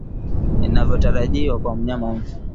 inavyotarajiwa kwa mnyama mfu